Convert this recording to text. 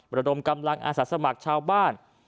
ระดมกำลังอาสาสมัครชาวบ้าน